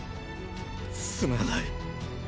すまない。